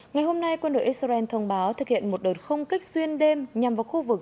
ngày hôm nay quân đội israel thông báo thực hiện một đợt không kích xuyên đêm nhằm vào khu vực